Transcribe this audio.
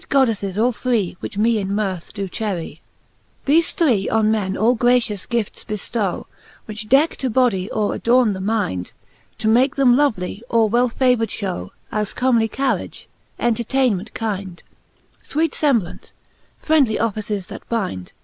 Goddeffes all three, which me in mirth do cherry, . XXIII. Thefe three on men all gracious gifts beftow, ..y^ ,■> Which decke the body, or adorne the myndc, To make them lovely, or > well favoured iliow; As comely carriage, entertainement kynde, Sweete femblaunt, friendly offices that bynde.